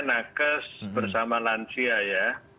nakes bersama lansia ya